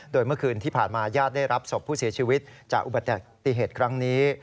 โดยเมื่อคืนที่ผ่านมาญาติได้รับศพผู้เสียชีวิตจากอุบัติเหตุครั้งนี้